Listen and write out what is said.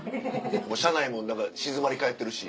車内も静まり返ってるし。